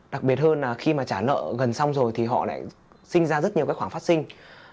đặc biệt hơn là khi mà trả lợi gần xong rồi thì họ lại sinh ra rất nhiều cái khoản phát sinh